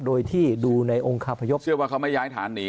โดยที่ดูในองค์คาพยพเชื่อว่าเขาไม่ย้ายฐานหนี